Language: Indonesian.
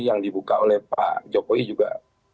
yang dibuka oleh pak jokowi juga